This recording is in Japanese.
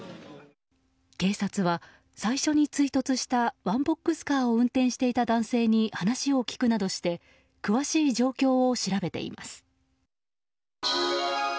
警察は最初に追突したワンボックスカーを運転していた男性に話を聞くなどして詳しい状況を調べています。